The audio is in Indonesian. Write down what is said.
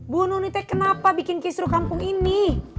bu nuni teh kenapa bikin kisru kampung ini